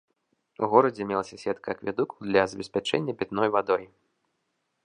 У горадзе мелася сетка акведукаў для забеспячэння пітной вадой.